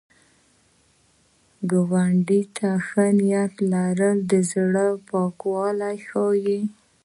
ګاونډي ته ښه نیت لرل، د زړه پاکوالی ښيي